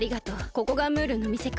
ここがムールのみせか。